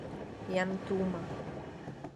Jan Tůma.